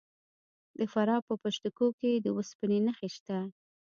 د فراه په پشت کوه کې د وسپنې نښې شته.